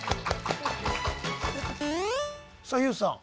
さあＹＯＵさん